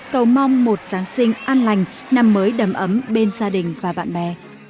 cầu mong một giáng sinh an lành năm mới đầm ấm bên gia đình và bạn bè